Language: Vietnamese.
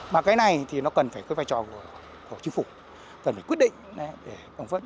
mà cái này thì nó cần phải có vai trò của chính phủ cần phải quyết định để ông vẫn